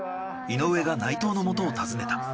井上が内藤のもとを訪ねた。